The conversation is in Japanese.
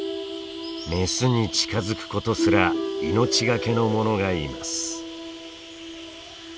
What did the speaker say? メスに近づくことすら命がけのものがいます。